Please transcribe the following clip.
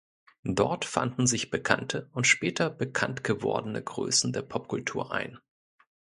Dort fanden sich bekannte und später bekannt gewordene Größen der Popkultur ein.